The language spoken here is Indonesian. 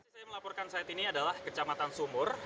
saya melaporkan saat ini adalah kecamatan sumur